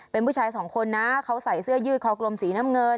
เป็นผู้ชายสองคนนะเขาใส่เสื้อยืดคอกลมสีน้ำเงิน